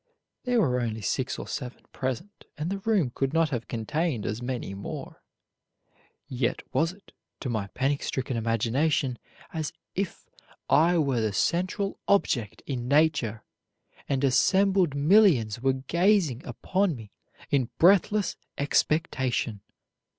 There were only six or seven present, and the room could not have contained as many more; yet was it, to my panic stricken imagination, as if I were the central object in nature, and assembled millions were gazing upon me in breathless expectation.